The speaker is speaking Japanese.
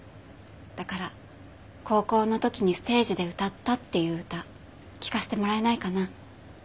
だから高校の時にステージで歌ったっていう歌聴かせてもらえないかな。